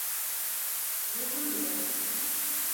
Buldum bile.